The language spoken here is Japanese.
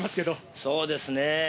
そうですね。